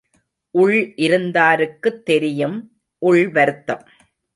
உள் இருந்தாருக்குத் தெரியும் உள் வருத்தம்.